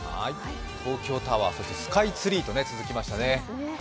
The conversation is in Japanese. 東京タワースカイツリーと続きましたね。